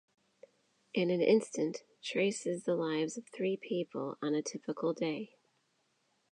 "In an Instant" traces the lives of three people on a typical day.